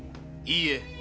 いいえ。